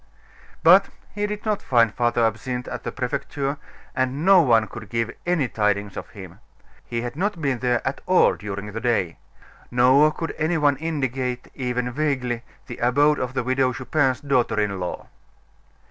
But he did not find Father Absinthe at the Prefecture, and no one could give any tidings of him. He had not been there at all during the day. Nor could any one indicate, even vaguely, the abode of the Widow Chupin's daughter in law.